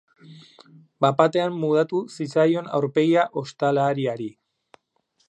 Bat-batean mudatu zitzaion aurpegia ostalariari.